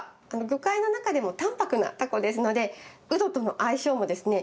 魚介の中でも淡泊なタコですのでウドとの相性もですね